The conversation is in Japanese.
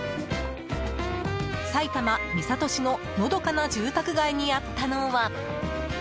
埼玉・三郷市ののどかな住宅街にあったのは。